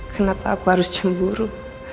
kenapa aku harus cemburu